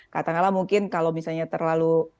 katanya lah mungkin kalau misalnya terlalu